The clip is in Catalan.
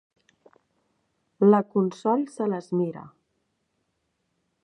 La Consol se les mira.